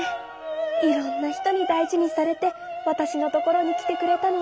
いろんな人に大事にされてわたしのところにきてくれたのね！